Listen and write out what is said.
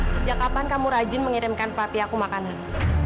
sejak kapan kamu rajin mengirimkan ke papi aku makanan